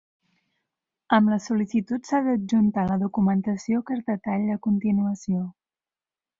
Amb les sol·licituds s'ha d'adjuntar la documentació que es detalla a continuació.